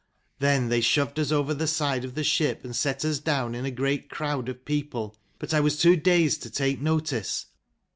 " Then they shoved us over the side of the ship and set us down in a great crowd of people, but I was too dazed to take notice.